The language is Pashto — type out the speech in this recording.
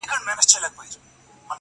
o خلک عادي ژوند ته ستنېږي ورو,